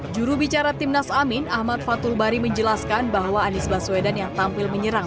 jurubicara timnas amin ahmad fatul bari menjelaskan bahwa anies baswedan yang tampil menyerang